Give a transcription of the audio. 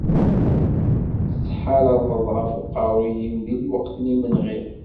Tettḥarabeḍ ɣef uqerru-w di lweqt n yimenɣi.